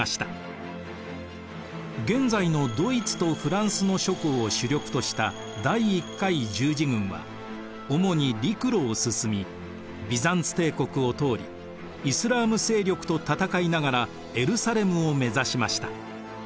現在のドイツとフランスの諸侯を主力とした第１回十字軍は主に陸路を進みビザンツ帝国を通りイスラーム勢力と戦いながらエルサレムを目指しました。